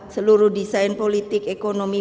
seluruh desain politik ekonomi